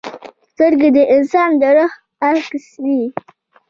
سترګې د انسان د روح عکس وي